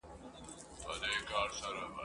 ته بچی د بد نصیبو د وطن یې !.